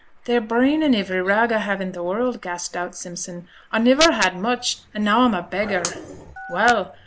'They're brennin' ivery rag I have i' t' world,' gasped out Simpson: 'I niver had much, and now I'm a beggar.' 'Well!